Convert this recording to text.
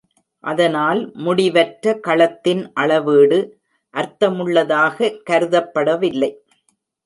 அதனால் முடிவற்ற களத்தின் அளவீடு அர்த்தமுள்ளதாக கருதப்படவில்லை.